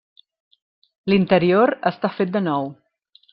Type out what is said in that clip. L'interior està fet de nou.